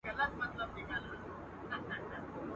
روح مي نیم بسمل نصیب ته ولیکم.